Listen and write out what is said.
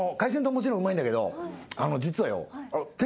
もちろんうまいんだけど。